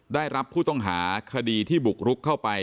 ได้รับผู้ต้องหาคดีที่บุกรุกเข้าไป